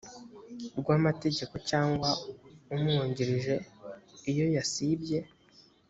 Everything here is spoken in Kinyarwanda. rw amategeko cyangwa umwungirije iyo yasibye